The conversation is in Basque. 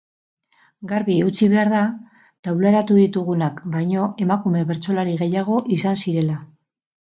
Garbi utzi behar da taularatu ditugunak baino emakume bertsolari gehiago izan zirela.